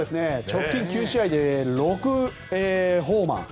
直近９試合で６ホーマー。